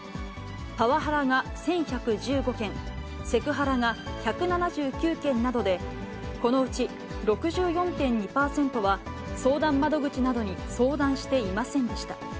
パワハラが１１１５件、セクハラが１７９件などで、このうち６４．２％は相談窓口などに相談していませんでした。